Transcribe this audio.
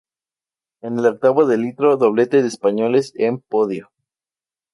En el octavo de litro, doblete de españoles en podio.